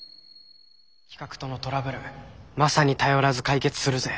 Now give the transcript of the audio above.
企画とのトラブルマサに頼らず解決するぜ。